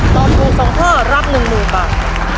ตอบถูก๒ข้อรับ๑๐๐๐บาท